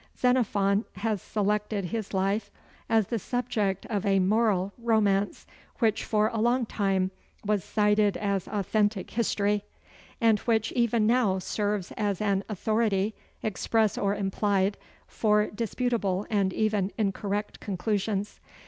Xenophon has selected his life as the subject of a moral romance which for a long time was cited as authentic history, and which even now serves as an authority, express or implied, for disputable and even incorrect conclusions.